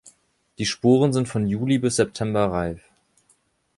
Die Sporen sind von Juli bis September reif.